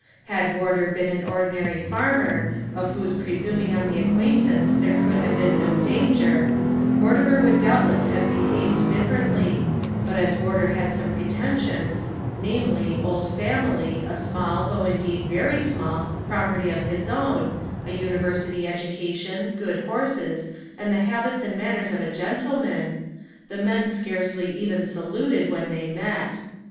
Had Wardour been an ordinary farmer, of whose presuming on the acquaintance there could have been no danger, Mortimer would doubtless have behaved differently; but as Wardour had some pretensions namely, old family, a small, though indeed very small, property of his own, a university education, good horses, and the habits and manners of a gentleman the men scarcely even saluted when they met.